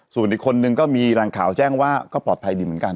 ส่วนอีกคนนึงก็มีแรงข่าวแจ้งว่าก็ปลอดภัยดีเหมือนกัน